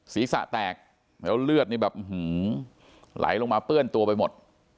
ศีรษะแตกแล้วเลือดนี่แบบไหลลงมาเปื้อนตัวไปหมด